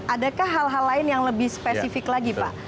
adakah hal hal lain yang lebih spesifik lagi pak